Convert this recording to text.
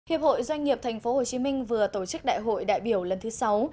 hiệp hội doanh nghiệp tp hcm vừa tổ chức đại hội đại biểu lần thứ sáu